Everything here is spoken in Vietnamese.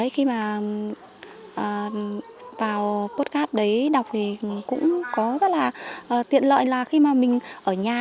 khi mà vào podcast đấy đọc thì cũng có rất là tiện lợi là khi mà mình ở nhà